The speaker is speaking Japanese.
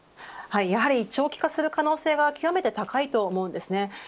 やはり長期化する可能性が極めて高いと思います。